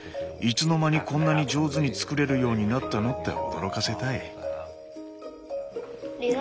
「いつの間にこんなに上手に作れるようになったの？」って驚かせたい。